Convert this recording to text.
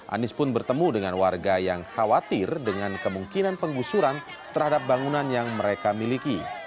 anies pun bertemu dengan warga yang khawatir dengan kemungkinan penggusuran terhadap bangunan yang mereka miliki